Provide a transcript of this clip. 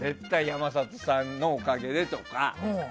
山里さんのおかげで、とか。